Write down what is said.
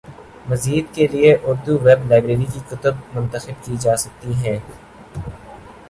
مزید کے لیے اردو ویب لائبریری کی کتب منتخب کی جا سکتی ہیں